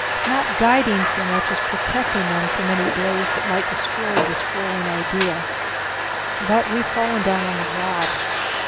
Not guiding so much as protecting them from any blows that might destroy this growing idea. But we've fallen down on the job.